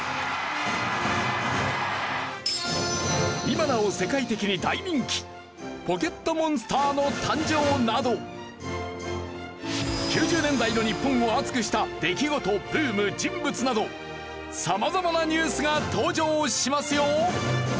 今なお世界的に大人気９０年代の日本を熱くした出来事ブーム人物など様々なニュースが登場しますよ！